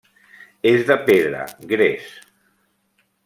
És de pedra, gres.